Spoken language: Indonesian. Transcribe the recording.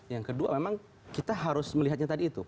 yang kedua memang kita harus melihatnya tadi itu